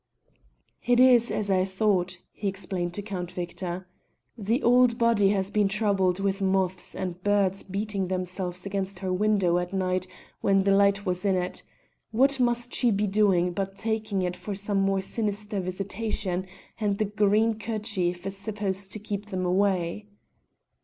"It's as I thought," he explained to Count Victor. "The old body has been troubled with moths and birds beating themselves against her window at night when the light was in it: what must she be doing but taking it for some more sinister visitation, and the green kerchief is supposed to keep them away."